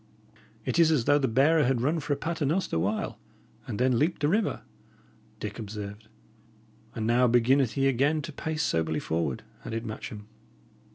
"It is as though the bearer had run for a pater noster while, and then leaped the river," Dick observed. "And now beginneth he again to pace soberly forward," added Matcham.